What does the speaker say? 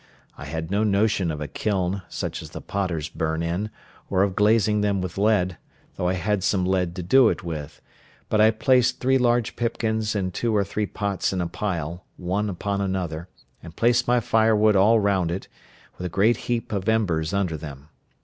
I had no notion of a kiln, such as the potters burn in, or of glazing them with lead, though I had some lead to do it with; but I placed three large pipkins and two or three pots in a pile, one upon another, and placed my firewood all round it, with a great heap of embers under them.